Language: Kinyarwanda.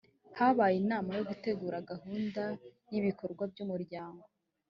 habaye inama yo gutegura gahunda y’ibikorwa by’umuryango